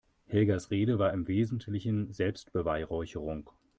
Helgas Rede war im Wesentlichen Selbstbeweihräucherung.